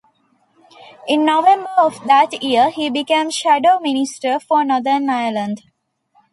In November of that year he became shadow minister for Northern Ireland.